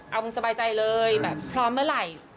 เอามึงสบายใจเลยแบบพร้อมเมื่อไหร่